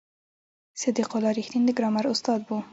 صدیق الله رښتین د ګرامر استاد و.